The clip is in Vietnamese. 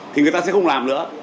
thì người ta sẽ không làm nữa